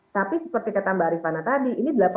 tapi seperti kata mbak arifana tadi